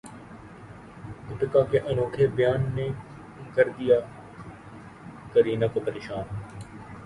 دیپیکا کے انوکھے بیان نے کردیا کرینہ کو پریشان